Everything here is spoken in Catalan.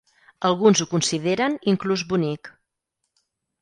Alguns ho consideren inclús bonic.